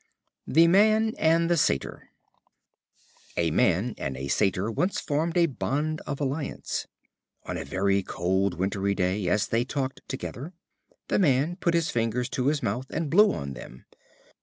The Man and the Satyr. A Man and a Satyr once formed a bond of alliance. One very cold wintry day, as they talked together, the Man put his fingers to his mouth and blew on them.